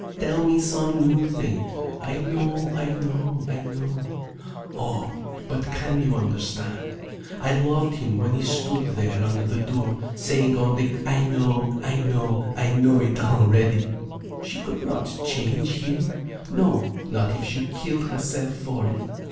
Tell me some new thing. I know, I know, I know.' Oh, but can you understand, I loved him when he stood there under the door, saying only, 'I know, I know, I know it all already.' She could not change him, no, not if she killed herself for it.